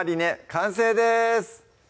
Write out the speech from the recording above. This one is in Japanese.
完成です